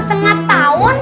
ya nggak uneel